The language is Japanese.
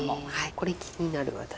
これ気になる私。